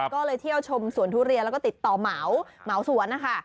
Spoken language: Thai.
ก็เลยเที่ยวชมสวนทุเรียนแล้วก็ติดต่อเหมาเหมาสวนนะคะ